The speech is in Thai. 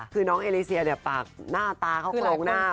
คือน้องเอเลเซียเนี่ยปากหน้าตาเขาโครงหน้า